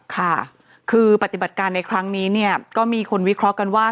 ค่ะคือปฏิบัติการในครั้งนี้เนี่ยก็มีคนวิเคราะห์กันว่า